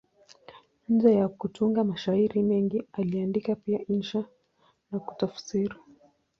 Nje ya kutunga mashairi mengi, aliandika pia insha na kutafsiri.